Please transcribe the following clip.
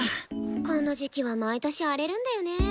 この時期は毎年荒れるんだよね。